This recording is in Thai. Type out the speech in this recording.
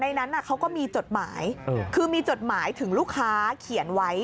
นั้นเขาก็มีจดหมายคือมีจดหมายถึงลูกค้าเขียนไว้